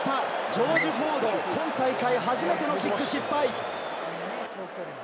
ジョージ・フォード、今大会初めてのキック失敗！